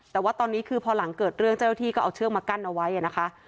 แต่ว่าตอนนี้คือพอหลังเกิดเรื่องเจ้าหน้าที่ก็เอาเชือกมากั้นเอาไว้นะคะ